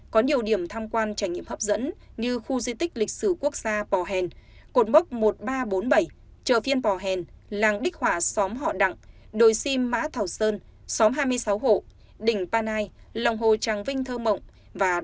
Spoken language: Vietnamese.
có nhiều điểm tham quan trải nghiệm hấp dẫn như khu di tích lịch sử quốc gia bò hèn cột mốc một nghìn ba trăm bốn mươi bảy chợ phiên bò hèn làng bích hỏa xóm họ đặng đồi xim mã thảo sơn xóm hai mươi sáu hộ đỉnh panai lòng hồ tràng vinh thơ mộng và đồi xim mã thảo sơn